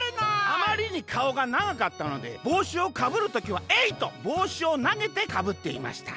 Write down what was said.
「あまりにかおがながかったのでぼうしをかぶる時はえい！とぼうしをなげてかぶっていました。